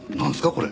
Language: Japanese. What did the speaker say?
これ。